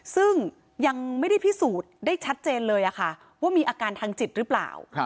ซึ่งยังไม่ได้พิสูจน์ได้ชัดเจนเลยว่ามีอาการทางจิตหรือเปล่า